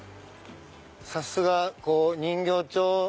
さすが人形町。